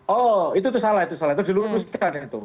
oh itu salah itu salah itu diluruskan itu